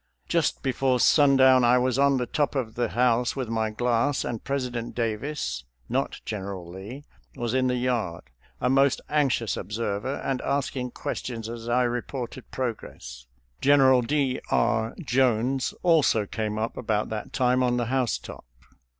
Just before sundown I was on the top of the house with my glass, and Presi dent Davis (not General Lee) was in the yard, a most anxious observer, and asking questions as I reported progress. General D. R. Jones also came up about that time on the housetop.